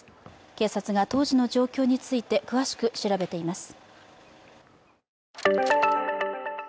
警察が当時の状況について詳しく調べています。